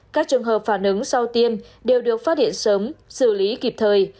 các trường hợp phản ứng sau tiêm đều được phát hiện sớm xử lý kịp thời